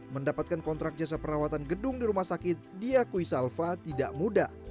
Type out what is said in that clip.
mendapatkan kontrak jasa perawatan gedung di rumah sakit diakui salva tidak mudah